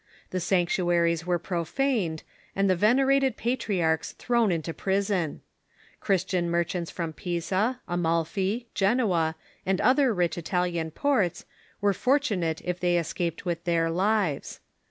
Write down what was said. The sanctuaries were profaned, and the venerated patriarchs thrown into prison. Cliristian mer chants from Pisa, Araalfi, Genoa, and other rich Italian ports were fortunate if they escaped with their lives.